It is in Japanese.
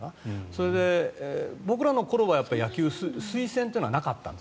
それで僕らの頃は野球推薦というのはなかったんです。